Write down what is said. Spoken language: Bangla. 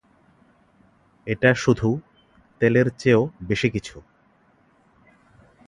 এটা শুধু তেলের চেয়েও বেশি কিছু।